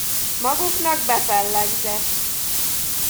Maguknak befellegzett!